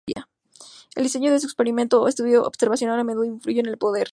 El diseño de un experimento o estudio observacional a menudo influye en el poder.